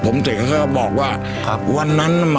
ผมจะมีรูปภาพของพระพิสุนุกรรม